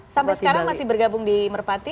sampai sekarang masih bergabung di merpati